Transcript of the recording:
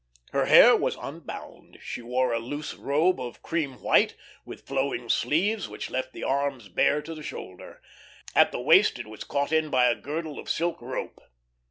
Her hair was un bound; she wore a loose robe of cream white, with flowing sleeves, which left the arms bare to the shoulder. At the waist it was caught in by a girdle of silk rope.